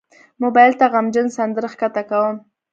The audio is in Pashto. موبایل ته غمجن سندرې ښکته کوم.